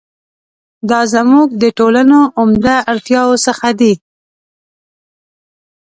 دا زموږ د ټولنو عمده اړتیاوو څخه دي.